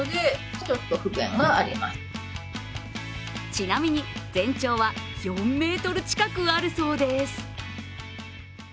ちなみに全長は４ｍ近くあるそうです。